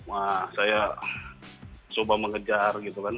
wah saya coba mengejar gitu kan